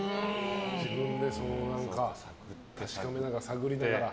自分で確かめながら探りながら。